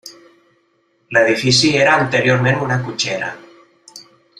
L'edifici era anteriorment una cotxera.